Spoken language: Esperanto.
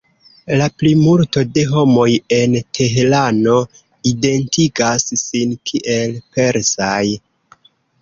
La plimulto de homoj en Teherano identigas sin kiel persaj.